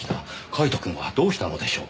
カイトくんはどうしたのでしょう？